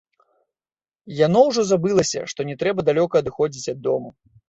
Яно ўжо забылася, што не трэба далёка адыходзіць ад дому.